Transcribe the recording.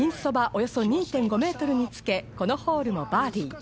およそ２．５ｍにつけ、このホールもバーディー。